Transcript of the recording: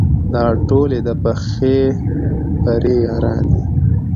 دا ټول یې د پخې پرې یاران دي.